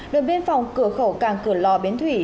đường biên phòng cửa khẩu càng cửa lò biến thủy